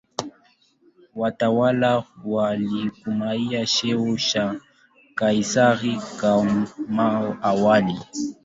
Watawala walitumia cheo cha "Kaisari" kama awali.